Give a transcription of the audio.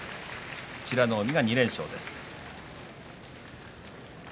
美ノ海２連勝です。